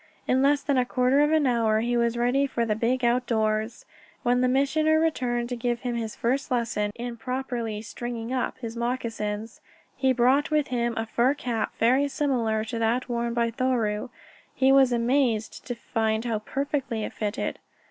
In less than a quarter of an hour he was ready for the big outdoors. When the Missioner returned to give him a first lesson in properly "stringing up" his moccasins, he brought with him a fur cap very similar to that worn by Thoreau. He was amazed to find how perfectly it fitted.